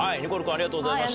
ありがとうございます。